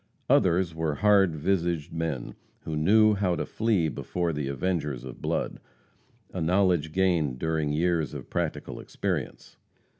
Others were "hard visaged men," who knew how to flee before the avengers of blood a knowledge gained during years of practical experience.